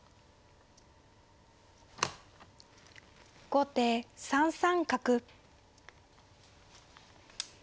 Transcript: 後手３三角。